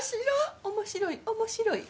面白い面白い。